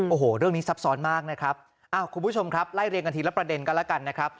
โอ้โหเรื่องนี้ซับซ้อนมากนะครับอ้าวคุณผู้ชมครับไล่เรียงกันทีละประเด็นกันแล้วกันนะครับ